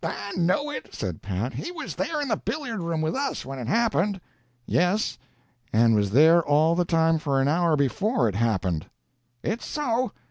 "I know it," said Pat. "He was there in the billiard room with us when it happened." "Yes, and was there all the time for an hour before it happened." "It's so.